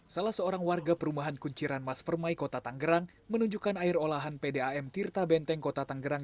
salah seorang warga perumahan kunciran mas permai kota tanggerang menunjukkan air olahan pdam tirta benteng kota tanggerang